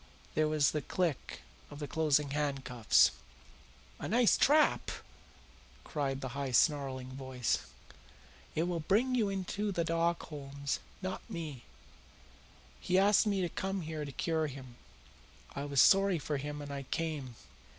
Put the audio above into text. There was the click of the closing handcuffs. "A nice trap!" cried the high, snarling voice. "It will bring YOU into the dock, Holmes, not me. He asked me to come here to cure him. I was sorry for him and I came.